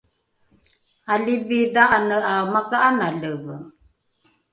alivi dha’ane ’a maka’analeve